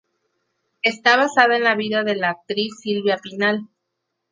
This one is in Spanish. Está basada en la vida de la actriz Silvia Pinal.